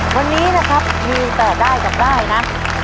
วันนี้นะครับมีแต่ได้กับได้นะ